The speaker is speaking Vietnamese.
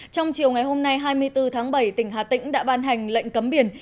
trong chiều ngày hôm nay hai mươi bốn tháng bảy tỉnh hà tĩnh đã ban hành lệnh cấm biển